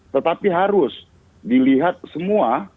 tetapi harus dilihat semua